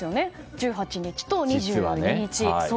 １８日と２２日に。